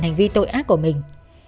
hành vi tội ác của mình